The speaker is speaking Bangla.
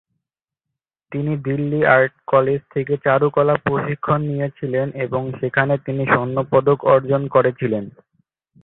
তিনি দিল্লি আর্টে কলেজ থেকে চারুকলার প্রশিক্ষণ নিয়েছিলেন এবং সেখানে তিনি স্বর্ণপদক অর্জন করেছিলেন।